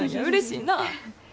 うれしいなあ。